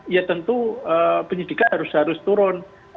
ya tentu penyidikan harus turun